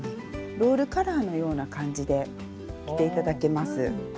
ロールカラーのような感じで着て頂けます。